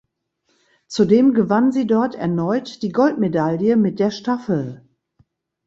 Zudem gewann sie dort erneut die Goldmedaille mit der Staffel.